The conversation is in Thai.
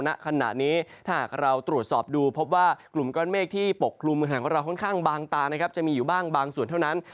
ถ้าหากเราตรวจสอบดูพบว่ากลุ่มก้อนเมฆที่ปกลุ่มทางของเราค่อนข้างบางตาจะมีอยู่บางส่วนเท่านั้น